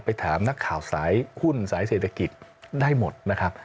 ถามนักข่าวสายหุ้นสายเศรษฐกิจได้หมดนะครับ